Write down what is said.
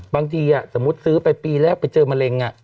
บางทีสมมุติซื้อไปปีแรกไปเจอมะเร็ง